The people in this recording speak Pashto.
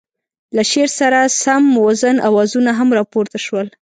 له شعر سره سم موزون اوازونه هم را پورته شول.